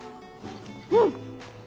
うん！